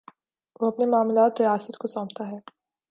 وہ اپنے معاملات ریاست کو سونپتا ہے۔